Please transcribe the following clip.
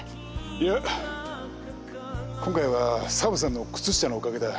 いや今回はさぶさんの靴下のおかげだ。